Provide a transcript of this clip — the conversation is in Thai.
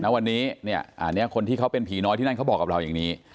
วันนี้เนี่ยอันนี้คนที่เขาเป็นผีน้อยที่นั่นเขาบอกกับเราอย่างนี้